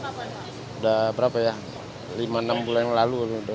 udah berapa ya lima enam bulan yang lalu